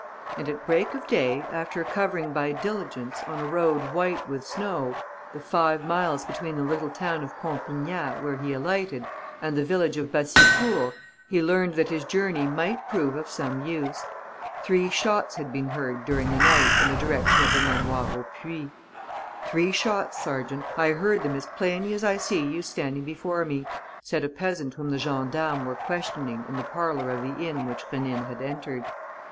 And, at break of day, after covering by diligence, on a road white with snow, the five miles between the little town of Pompignat, where he alighted, and the village of Bassicourt, he learnt that his journey might prove of some use: three shots had been heard during the night in the direction of the Manoir au Puits. "Three shots, sergeant. I heard them as plainly as I see you standing before me," said a peasant whom the gendarmes were questioning in the parlour of the inn which Rénine had entered.